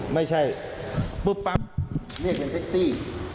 ไม่ใช่ปุ๊บปั๊บเรียกเงินแท็กซี่